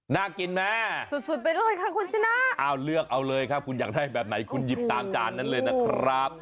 น่ากินแม่สุดไปเลยค่ะคุณชนะอ้าวเลือกเอาเลยครับคุณอยากได้แบบไหนคุณหยิบตามจานนั้นเลยนะครับ